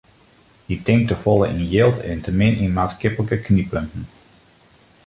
Hy tinkt te folle yn jild en te min yn maatskiplike knyppunten.